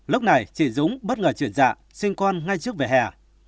lúc này chị dũng bất ngờ chuyển dạng sinh con ngay trước về hẻ